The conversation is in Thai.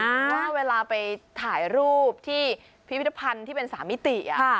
ว่าเวลาไปถ่ายรูปที่พิพิธภัณฑ์ที่เป็น๓มิติ